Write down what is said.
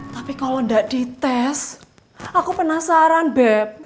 tapi kalau nggak dites aku penasaran beb